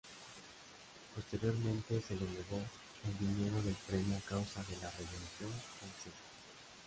Posteriormente se le negó el dinero del premio a causa de la Revolución Francesa.